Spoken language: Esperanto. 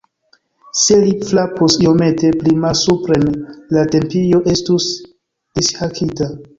Se li frapus iomete pli malsupren, la tempio estus dishakita!